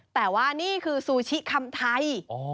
แต่ว่านี่คือซูชิคำไทย